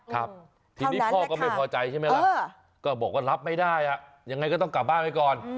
ครับทีนี้พ่อก็ไม่พอใจใช่ไหมล่ะก็บอกว่ารับไม่ได้ยังไงก็ต้องกลับบ้านไปก่อน